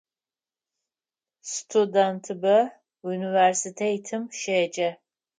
Студентыбэ унивэрситэтым щеджэ.